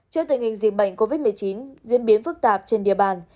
trước tình hình dịch bệnh covid một mươi chín diễn biến phức tạp trên địa bàn